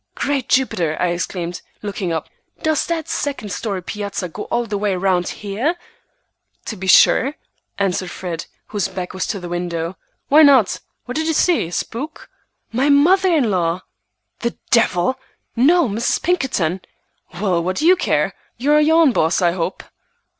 "Great Jupiter!" I exclaimed, looking up. "Does that second story piazza go all the way round here?" "To be sure," answered Fred, whose back was to the window. "Why not? What did you see,—a spook?" "My mother in law!" "The devil!" "No, Mrs. Pinkerton!" "Well, what do you care? You are your own boss, I hope."